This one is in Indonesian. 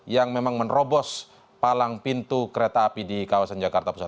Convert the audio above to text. yang memang menerobos palang pintu kereta api di kawasan jakarta pusat